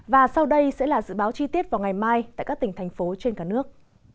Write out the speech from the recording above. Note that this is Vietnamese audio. và sau đây sẽ là dự báo chi tiết vào ngày mai tại các tỉnh thành phố trên cả nước